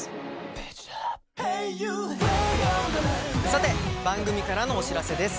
さて番組からのお知らせです。